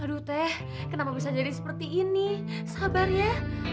aduh teh kenapa bisa jadi seperti ini sabar ya